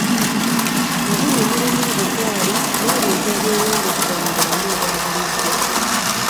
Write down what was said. Mu bino mulimu; obugaali n'ebintu ebyeyambisibwa mu bulamu obwabulijjo.